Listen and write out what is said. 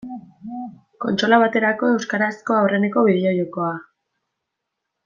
Kontsola baterako euskarazko aurreneko bideo-jokoa.